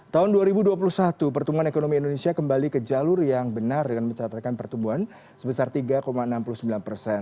tahun dua ribu dua puluh satu pertumbuhan ekonomi indonesia kembali ke jalur yang benar dengan mencatatkan pertumbuhan sebesar tiga enam puluh sembilan persen